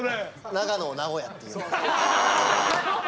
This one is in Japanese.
長野を「名古屋」って言うとか。